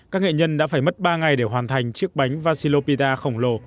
các nghệ nhân đã phải mất ba ngày để hoàn thành chiếc bánh vasilopita khổng lồ